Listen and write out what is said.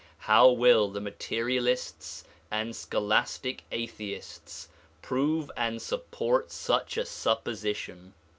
How will the materialists and scholastic atheists prove and support such a supposition?